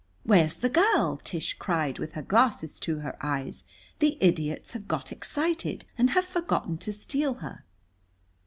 "Where's the girl?" Tish cried with her glasses to her eyes. "The idiots have got excited and have forgotten to steal her."